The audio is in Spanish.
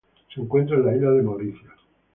Se encuentra en las islas de Mauricio.